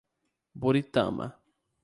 Buritama